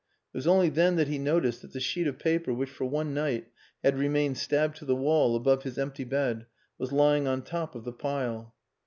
It was only then that he noticed that the sheet of paper which for one night had remained stabbed to the wall above his empty bed was lying on top of the pile.